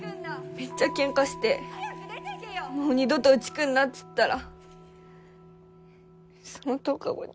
めっちゃけんかしてもう二度とうち来んなつったらその１０日後に。